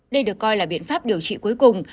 đây được coi là biện pháp điều trị cuối cùng